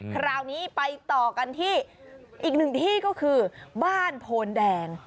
คราวนี้ไปต่อกันที่อีกหนึ่งที่ก็คือบ้านโพนแดง